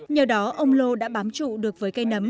nhờ đó ông lô đã bám trụ được với cây nấm